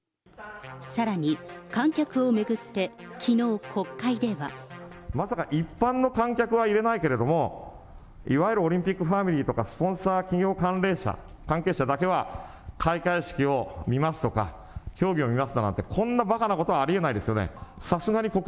さらに、観客を巡って、きのう国会では。まさか一般の観客は入れないけれども、いわゆるオリンピックファミリーとか、スポンサー企業関連者、関係者だけは開会式を見ますとか、競技を見ますだなんて、こんなばかなことはありえないですよね。